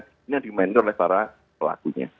ini yang dimandir oleh para pelakunya